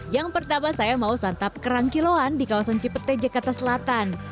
yang pertama saya mau santap kerang kiloan di kawasan cipete jakarta selatan